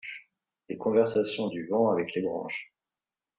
Les conversations du vent avec les branches ;